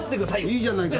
いいじゃないか。